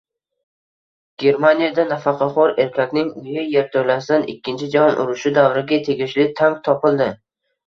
Germaniyada nafaqaxo‘r erkakning uyi yerto‘lasidan Ikkinchi jahon urushi davriga tegishli tank topildi